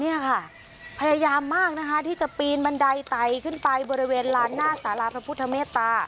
นี่ค่ะพยายามมากนะคะที่จะปีนบันไดไตขึ้นไปบริเวณลานหน้าสาราพระพุทธเมตตา